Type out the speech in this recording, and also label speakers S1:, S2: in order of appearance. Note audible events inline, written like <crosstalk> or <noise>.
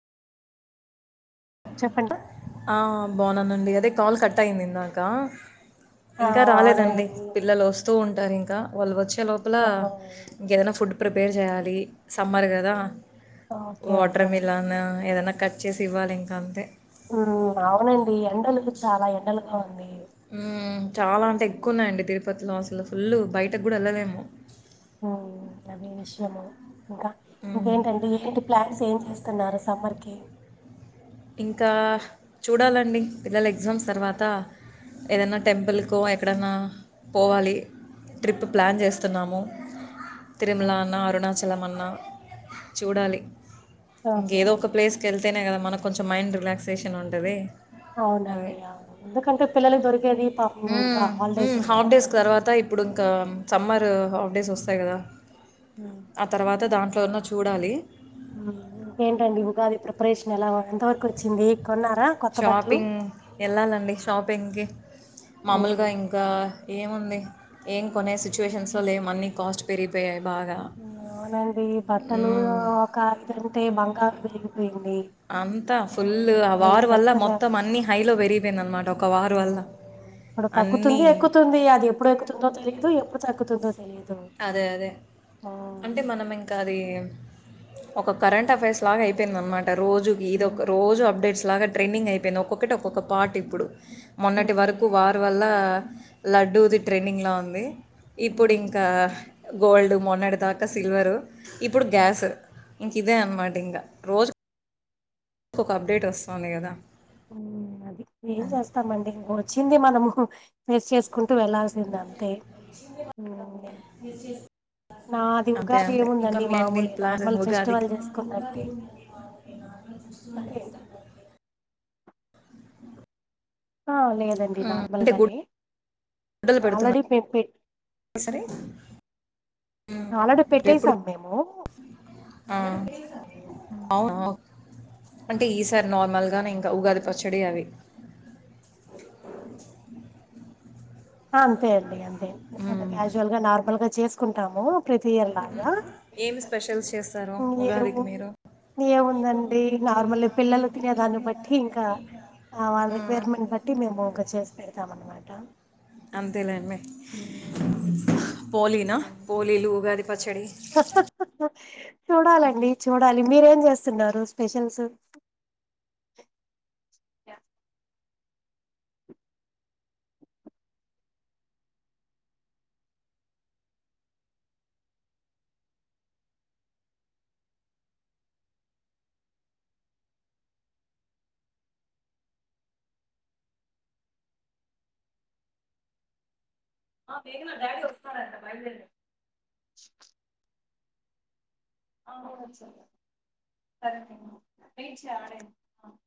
S1: చెప్పండి
S2: ఆ బానేనునండి అదే కాల్ కట్ అయిందిందాకా
S1: ఆ
S2: ఇంకా
S1: అవునండి
S2: రాలేదండి పిల్లలు వస్తూ ఉంటారు ఇంకా వాళ్ళు వచ్చి చ్చ లోపల
S1: ఆ
S2: ఇంకేదైనా ఫుడ్ ప్రిపేర్ చేయాలి సమ్మర్ కదా
S1: ఓకే ఓకే
S2: వాటర్
S1: అండి
S2: మిలాన్ ఏదైనా కట్ చేసి ఇవ్వాలి ఇంకా అంతే
S1: ఆ అవునండి ఎండలు చాలా ఎండలుగా ఉంది
S2: ఊ చాలా అంటే ఎక్కువున్నాయండి తిరుపతిలో అసలు ఫుల్ బయటకు కూడా వెళ్ళలేము.
S1: ము అదే విషయము ఇంకా
S2: హ్మ్.
S1: ఇంకేంటండి ఏంటి ప్లాన్స్ ఏం చేస్తున్నారు సమ్మర్ కి
S2: ఇంకా చూడాలండి పిల్లల ఎగ్జామ్స్ తర్వాత ఏదన్నా టెంపుల్కో ఎక్కడన్నా పోవాలి ట్రిప్ ప్లాన్ చేస్తున్నాము తిరుమల అన్న, అరుణాచలం అన్నా చూడాలి.
S1: ఓకే
S2: ఇంకేదో ఒక ప్లేస్కి వెళ్తేనే కదా మనకు కొంచెం మైండ్ రిలాక్సేషన్ ఉంటది
S1: అవునండి అవును ఎందుకంటే పిల్లలు దొరికేది పాపం ఇంకా హాలిడేస్ ఏ
S2: హాఫ్
S1: కదా
S2: డేస్ తర్వాత ఇప్పుడు ఇంకా సమ్మర్ హాఫ్ డేస్ వస్తాయి కదా
S1: మ్మ్
S2: ఆ తర్వాత దాంట్లో ఉన్న చూడాలి
S1: ఇంకేంటండి ఉగాది ప్రిపరేషన్ ఎలా ఎంత వరకు వచ్చింది కొన్నారా కొత్త బట్టలు.
S2: ఉ వెళ్ళాలండి షాపింగ్కి
S1: హ్మ్.
S2: మామూలుగా ఇంకా ఏముంది ఏం కొనే సిచ్యుయేషన్స్లో లేము అన్నీ కాస్ట్ పెరిగిపోయాయి. బాగా
S1: అవునండి బట్టలు
S2: మ్మ్.
S1: ఒక ఐదంటే బంగారు పెరిగిపోయింది
S2: అంతా
S1: ఉమ్,
S2: ఫుల్ ఆ
S1: ఇప్పుడు ఈ
S2: వార్ వల్ల
S1: కొత్తగా
S2: మొత్తం అన్నీ హైలో పెరిగిపోయింది అనమాట ఒక వార్
S1: ఆ
S2: వల్ల.
S1: ఇప్పుడు
S2: అన్నీ
S1: తగ్గుతుంది ఎక్కుతుంది అది ఎప్పుడు ఎక్కుతుందో తెలియదు ఎప్పుడు తగ్గుతుందో తెలియదు
S2: అదే అదే
S1: ఆ
S2: అంటే మనం ఇంకా అది ఒక కరెంట్ అఫైర్స్ లాగా అయిపోయింది అన్నమాట రోజుకి ఇదొ రోజు అప్డేట్స్ లాగా ట్రేండింగ్ అయిపోయింది ఒక్కొక్కటి ఒక్కొక్క పార్ట్ ఇప్పుడు. మొన్నటి వరకు వార్ వల్ల లడ్డూది ట్రెండింగ్లా ఉంది ఇప్పుడు ఇంకా గోల్డ్ మొన్నటి దాకా సిల్వరు ఇప్పుడు గ్యాస్ ఇంక ఇదే అనమాట ఇంకా రోజు కో ఒక అప్డేట్ వస్తుంది కదా
S1: అది ఏం చేస్తామండి ఇ వచ్చింది మనము ఫేస్ చేసుకుంటూ వెళ్లాల్సింది అంతే
S2: గెస్ చెస్
S1: నాది
S2: అంతే
S1: ఉగాది
S2: అంతే
S1: ఏముందండి
S2: ఇంకాంలేంటి
S1: మామూలే
S2: ప్లాన్
S1: నార్మల్ ఫెస్టివల్
S2: ఉగాదికి
S1: చేసుకున్నట్టే
S2: ఆలోచించు
S1: అదే. ఆ లేదండి
S2: ఉమ్, అంటే
S1: నార్మల్గానే
S2: గుడ్డలు పెడుతున్నారు
S1: ఆల్రెడీ పెంపట్.
S2: సరే
S1: ఆల్రెడీ పెట్టేసాం మేము.
S2: అ
S1: ఉ
S2: అవు అవు అంటే ఈసారి నార్మల్గానే ఇంకా ఉగాది పచ్చడి అవి. <inaudible>
S1: అంతే అండి అంతే
S2: ఉమ్,
S1: క్యాజువల్ గా నార్మల్ గా చేసుకుంటాము. ప్రీతి ఎల్లాగా.
S2: ఎం స్పెషల్స్ చేస్తారు ఉగాదికి మీరు.
S1: ఏముందండి నార్మల్ పిల్లలు తినేదాన్ని బట్టి ఇంకా. వాళ్ళ
S2: ఉమ్,
S1: రిక్వైర్మెంట్ బట్టి మేము ఇంకా చేసి పెడతాం అన్నమాట.
S2: అంతేలేండి పోలీనా పోలీలు. ఉగాది పచ్చడి.
S1: చూడాలండి చూడాలి మీరేం చేస్తున్నారు స్పెషల్స్.
S2: <inaudible>
S1: ఆ మేగన డాడీ వస్తనారు అంట బయలుదేరు అవునా సరే లే వైట్ చేయాలా నేను